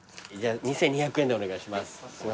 ２，２００円でお願いします。